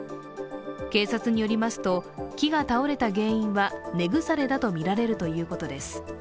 警察によりますと、木が倒れた原因は根腐れだとみられるということです。